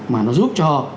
mà nó giúp cho